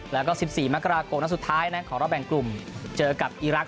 แล้วก็๑๔มกราคมนัดสุดท้ายของรอบแบ่งกลุ่มเจอกับอีรักษ